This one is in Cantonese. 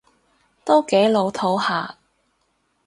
都幾老套吓